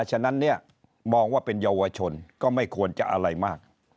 ฉะนั้นเนี่ยมองว่าเป็นเยาวชนก็ไม่ควรจะอะไรมาก